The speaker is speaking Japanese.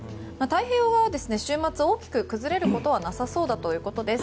太平洋側は週末大きく崩れることはなさそうだということです。